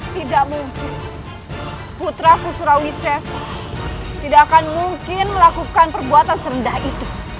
tidak mungkin putraku surawi sesa tidak akan mungkin melakukan perbuatan serendah itu